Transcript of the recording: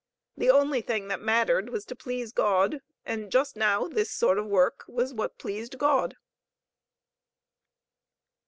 The only thing that mattered was to please God, and just now this sort of work was what pleased God.